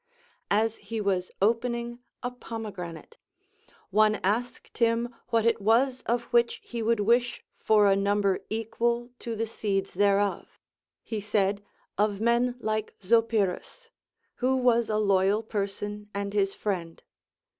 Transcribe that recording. As he was opening a pomegranate, one asked him what it Avas of which he would wish for a number equal to the seeds thereof. He said, Of men like Zopyrus, — Avho was a loyal person and his friend.